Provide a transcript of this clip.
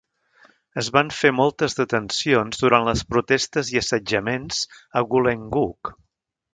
Es van fer moltes detencions durant les protestes i assetjaments a Goolengook.